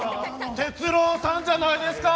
哲郎さんじゃないですか！